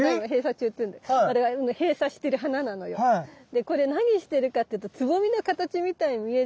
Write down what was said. でこれ何してるかっていうとつぼみの形みたいに見えるんだけど。